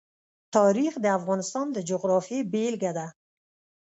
تاریخ د افغانستان د جغرافیې بېلګه ده.